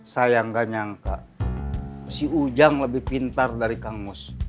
saya nggak nyangka si ujang lebih pintar dari kangus